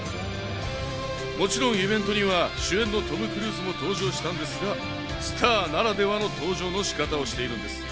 もちろんイベントには主演のトム・クルーズも登場したんですが、スターならではの登場の仕方をしているんです。